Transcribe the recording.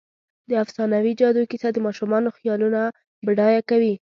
د افسانوي جادو کیسه د ماشومانو خیالونه بډایه کوي.